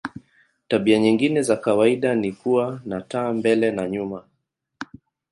Tabia nyingine za kawaida ni kuwa na taa mbele na nyuma.